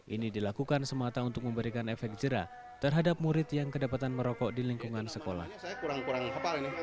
ini dilakukan semata untuk memberikan efek jerah terhadap murid yang kedapatan merokok di lingkungan sekolah